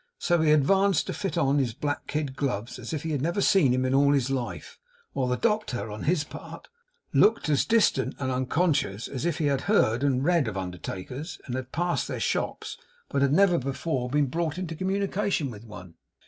So he advanced to fit on his black kid gloves as if he had never seen him in all his life; while the doctor, on his part, looked as distant and unconscious as if he had heard and read of undertakers, and had passed their shops, but had never before been brought into communication with one.